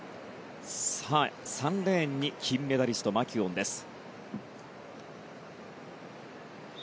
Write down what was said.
さあ、３レーンに金メダリストマキュオンです。